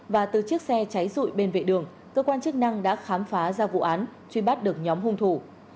và từ chiếc xe cháy rụi bên vệ đường cơ quan chức năng đã khám phá ra vụ án truy bắt được nhóm hung thủ